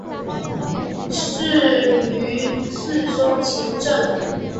仕于赤松晴政。